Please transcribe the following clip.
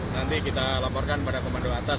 nanti kita laporkan pada komando atas